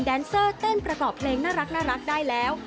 แนนเซอร์เต้นประกอบเพลงน่ารักได้แล้ว